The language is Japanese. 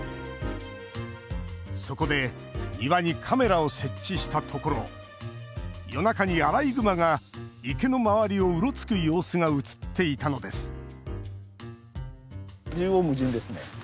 そこで庭にカメラを設置したところ夜中にアライグマが池の周りをうろつく様子が映っていたのです